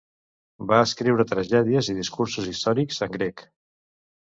Va escriure tragèdies i discursos històrics en grec.